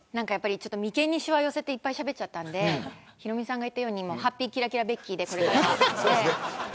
眉間にしわを寄せていっぱいしゃべっちゃったのでヒロミさんが言ったようにハッピーきらきらベッキーでこれからは。